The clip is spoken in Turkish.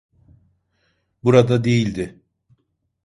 Burada değildi.